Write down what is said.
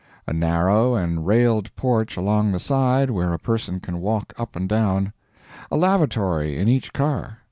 A narrow and railed porch along the side, where a person can walk up and down. A lavatory in each car.